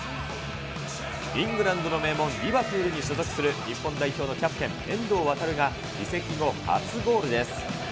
イングランドの名門、リバプールに所属する日本代表のキャプテン、遠藤航が、移籍後初ゴールです。